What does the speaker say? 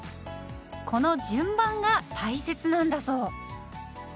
この順番が大切なんだそう。